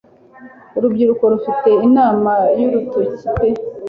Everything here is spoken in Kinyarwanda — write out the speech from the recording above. Urubyiruko rufite inama-y'urutoki pe